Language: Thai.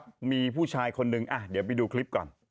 มีผู้ชายคนนึงเดี๋ยวไปดูคลิปก่อน